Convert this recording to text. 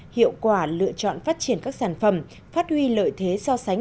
hiệu quả lựa chọn phát triển các sản phẩm phát huy lợi thế so sánh